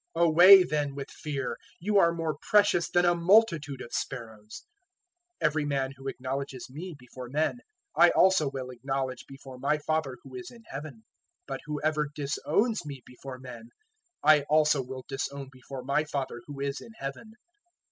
010:031 Away then with fear; you are more precious than a multitude of sparrows. 010:032 "Every man who acknowledges me before men I also will acknowledge before my Father who is in Heaven. 010:033 But whoever disowns me before men I also will disown before my Father who is in Heaven.